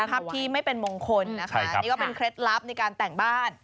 ภาพที่ไม่เป็นมงคลนะคะนี่ก็เป็นเคล็ดลับในการแต่งบ้าน